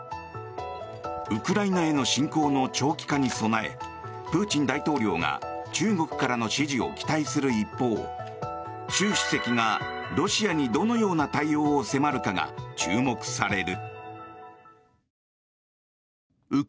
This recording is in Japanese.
ウクライナへの侵攻の長期化に備えプーチン大統領が中国からの支持を期待する一方習主席がロシアにどのような対応を迫るかが注目される。